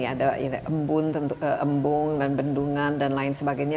ada embung dan bendungan dan lain sebagainya